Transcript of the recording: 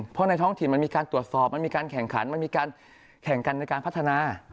เพราะในท้องถิ่นมันมีการตรวจสอบมันมีการแข่งขันมันมีการแข่งกันในการพัฒนา